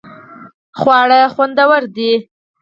خواړه خوندور دې